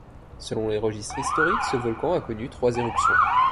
Selon les registres historiques, ce volcan a connu trois éruptions.